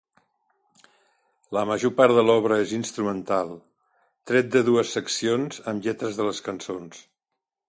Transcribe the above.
La major part de l'obra és instrumental, tret de dues seccions amb lletres de les cançons.